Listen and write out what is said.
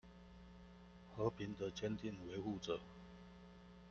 和平的堅定維護者